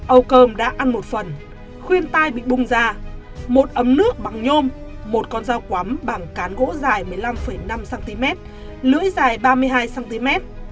âu cơm đã ăn một phần khuyên tai bị bung ra một ấm nước bằng nhôm một con dao quắm bảng cán gỗ dài một mươi năm năm cm lưỡi dài ba mươi hai cm